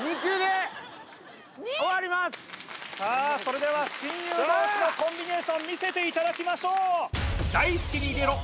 さあそれでは親友同士のコンビネーション見せていただきましょう大輔に入れろ